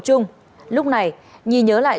chung lúc này nhi nhớ lại